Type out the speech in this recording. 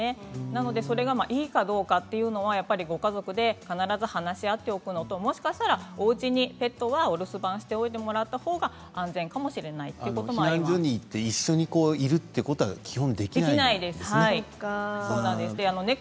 なので、それがいいのかどうかというのはご家族で必ず話し合っておくのともしかしたら、おうちにペットはお留守番しておいてもらったほうが安全かもしれない避難所で一緒にいるということは基本できないんですね。